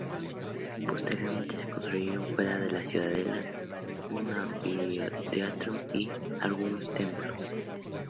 Posteriormente, se construyeron fuera de la ciudadela un anfiteatro y algunos templos.